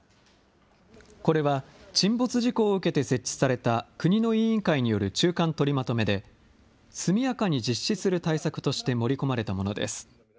これは沈没事故を受けて設置された国の委員会による中間取りまとめで、速やかに実施する対策として盛り込まれたものです。